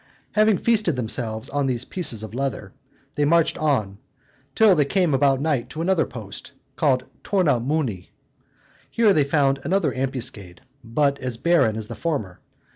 Having feasted themselves with those pieces of leather, they marched on, till they came about night to another post, called Torna Munni. Here they found another ambuscade, but as barren as the former.